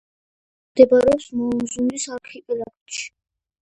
მდებარეობს მოონზუნდის არქიპელაგში.